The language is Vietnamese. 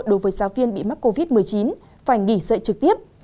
đối với giáo viên bị mắc covid một mươi chín phải nghỉ dạy trực tiếp